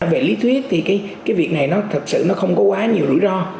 về lý thuyết thì cái việc này nó thật sự nó không có quá nhiều rủi ro